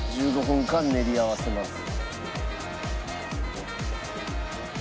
１５分間練り合わせます。